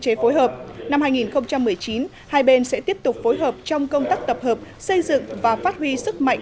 theo báo cáo kết quả thực hiện quy chế phối hợp năm hai nghìn một mươi chín hai bên sẽ tiếp tục phối hợp trong công tác tập hợp xây dựng và phát huy sức mạnh